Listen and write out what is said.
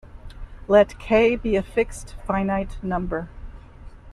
Let "k" be a fixed finite number.